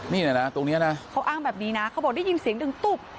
นี่นะตรงนี้นะเขาอ้างแบบนี้นะเขาบอกได้ยินเสียงดึงตุ๊บ